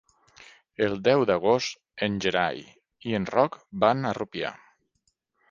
El deu d'agost en Gerai i en Roc van a Rupià.